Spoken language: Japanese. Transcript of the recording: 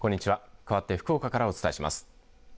代わって福岡からお伝えします。